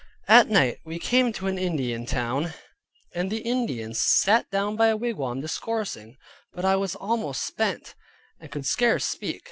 At night we came to an Indian town, and the Indians sat down by a wigwam discoursing, but I was almost spent, and could scarce speak.